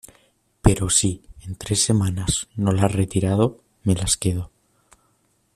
pero si, en tres semanas , no la has retirado , me las quedo.